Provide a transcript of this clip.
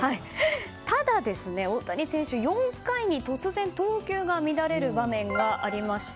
ただ、大谷選手、４回に突然投球が乱れる場面がありました。